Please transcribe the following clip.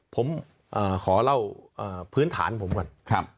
ผมขอเล่าพื้นฐานผมก่อน